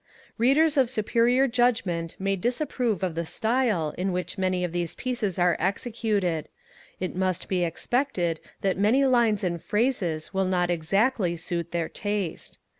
Readers of superior judgement may disapprove of the style in which many of these pieces are executed; it must be expected that many lines and phrases will not exactly suit their taste.